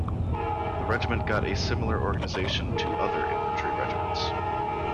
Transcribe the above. The regiment got a similar organization to other infantry regiments.